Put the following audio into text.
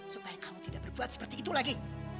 supaya kamu tidak berbuat seperti itu lagi